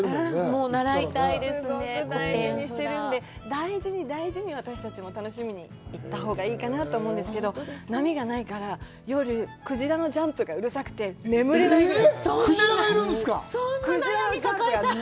大事に大事に私たちも楽しみに行ったほうがいいかなと思うんですけど、波がないから、夜、鯨のジャンプがうるさくて眠れないんです。